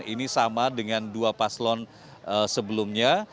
ini sama dengan dua paslon sebelumnya